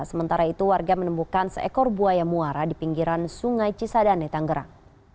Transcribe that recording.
sementara itu warga menemukan seekor buaya muara di pinggiran sungai cisadane tanggerang